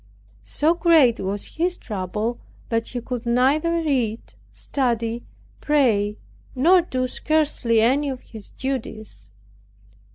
So great was his trouble that he could neither read, study, pray, nor do scarcely any of his duties.